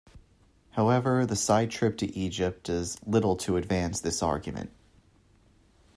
However, the side trip to Egypt does little to advance this argument.